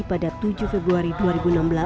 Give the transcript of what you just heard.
pada tujuh februari dua ribu enam belas